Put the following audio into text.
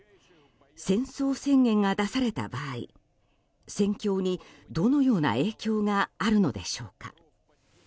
戦争宣言が出された場合戦況にどのような影響があるのでしょうか。